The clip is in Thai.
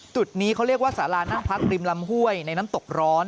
จุดนี้เขาเรียกว่าสารานั่งพักริมลำห้วยในน้ำตกร้อน